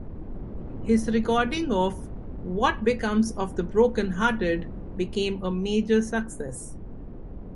His recording of "What Becomes of the Brokenhearted" became a major success.